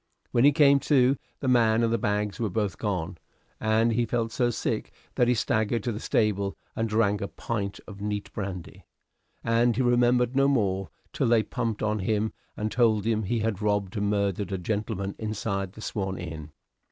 When he came to, the man and the bags were both gone, and he felt so sick that he staggered to the stable and drank a pint of neat brandy, and he remembered no more till they pumped on him, and told him he had robbed and murdered a gentleman inside the "Swan" Inn.